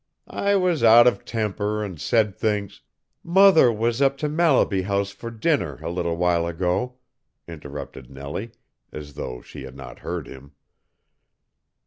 I was out of temper an' said things " "Mother was up to Mallaby House for dinner a little while ago," interrupted Nellie, as though she had not heard him.